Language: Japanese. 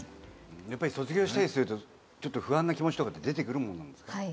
やっぱり卒業したりするとちょっと不安な気持ちとかって出てくるもんなんですか？